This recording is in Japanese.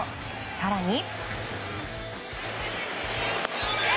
更に。